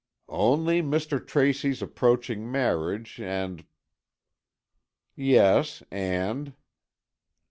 "Only Mr. Tracy's approaching marriage and——" "Yes, and?"